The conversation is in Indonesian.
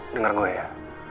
dengar gue ya